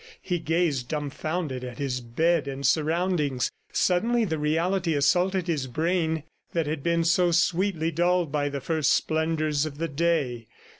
... He gazed dumbfounded at his bed and surroundings. Suddenly the reality assaulted his brain that had been so sweetly dulled by the first splendors of the day.